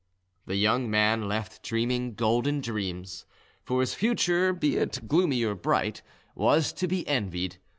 The young man left dreaming golden dreams; for his future, be it gloomy or bright, was to be envied.